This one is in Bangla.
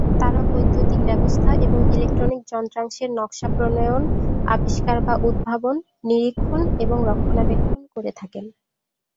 তারা বৈদ্যুতিক ব্যবস্থা এবং ইলেকট্রনিক যন্ত্রাংশের নকশা প্রণয়ন, আবিষ্কার বা উদ্ভাবন, নিরীক্ষণ এবং রক্ষণাবেক্ষণ করে থাকেন।